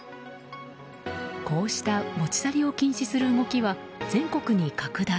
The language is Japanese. こうした持ち去りを禁止する動きは全国に拡大。